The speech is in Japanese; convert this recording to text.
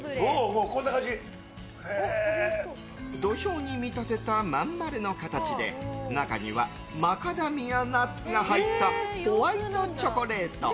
土俵に見立てた、まん丸の形で中にはマカダミアナッツが入ったホワイトチョコレート。